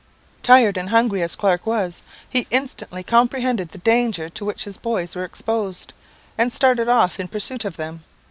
"Tired and hungry as Clark was, he instantly comprehended the danger to which his boys were exposed, and started off in pursuit of them.